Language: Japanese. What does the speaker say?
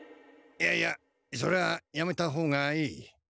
いやいやそれはやめた方がいい。